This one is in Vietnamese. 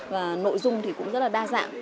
và nội dung thì cũng rất là đa dạng